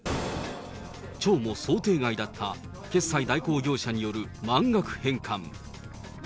町も想定外だった、決済代行業者による満額返還。